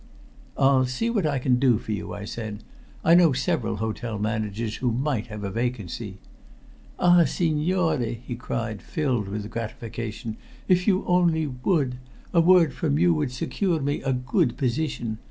"I'll see what I can do for you," I said. "I know several hotel managers who might have a vacancy." "Ah, signore!" he cried, filled with gratification. "If you only would! A word from you would secure me a good position.